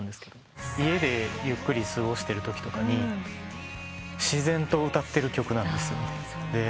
家でゆっくり過ごしてるときとかに自然と歌ってる曲なんです。